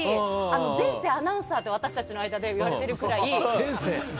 前世がアナウンサーって私たちの間で言われてるぐらい。